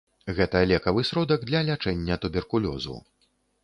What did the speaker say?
Гэта лекавы сродак для лячэння туберкулёзу.